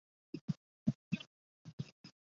久米郡是位于冈山县中部的一郡。